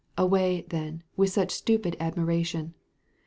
Away, then, with such stupid admiration.